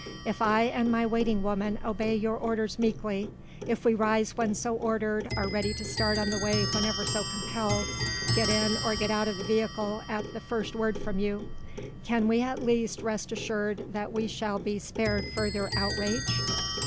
If I and my waiting woman obey your orders meekly, if we rise when so ordered, are ready to start on the way whenever so compelled, get in or out of the vehicle at the first word from you, can we at least rest assured that we shall be spared further outrage?"